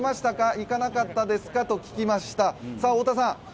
行かなかったですかと聞きました。